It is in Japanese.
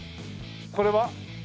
これは？